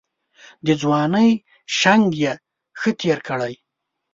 د ځوانۍ شنګ یې ښه تېر کړی.